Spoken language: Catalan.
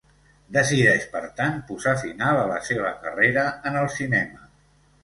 Decideix per tant posar final a la seva carrera en el cinema.